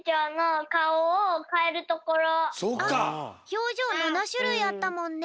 ひょうじょう７しゅるいあったもんね。